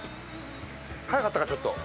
早かったかちょっと。